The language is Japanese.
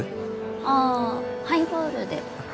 ああハイボールで。